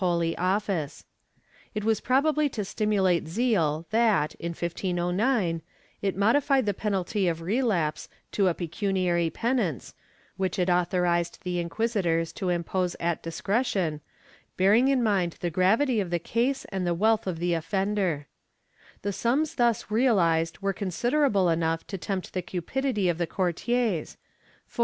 * Ibidem, Lib. 939, fol. 108, 115. Chap. Ill] DISABILITIES 176 fied the penalty of relapse to a pecuniary penance, which it author ized the inquisitors to impose at discretion, bearing in mind the gravity of the case and the wealth of the offender/ The sums thus realized were considerable enough to tempt the cupidity of the courtiers for.